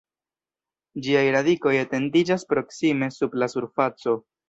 Ĝiaj radikoj etendiĝas proksime sub la surfaco.